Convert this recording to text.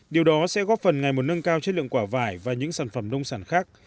điều đó sẽ góp phần ngày một nâng cao chất lượng quả vải và những sản phẩm nông sản khác